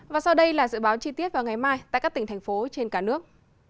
và sau đây là dự báo chi tiết vào ngày mai tại các tỉnh thành phố trên cả nước